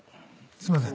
すいません。